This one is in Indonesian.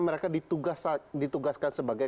mereka ditugaskan sebagai